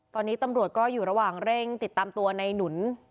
ตอนนี้ตำรวจก็อยู่ระหว่างเร่งติดตามตัวในหนุน